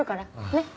ねっ？